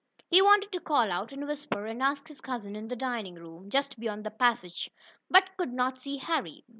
He wanted to call out, in a whisper, and ask his cousin in the dining room, just beyond the passage. Bert could not see Harry.